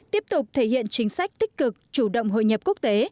tiếp tục thể hiện chính sách tích cực chủ động hội nhập quốc tế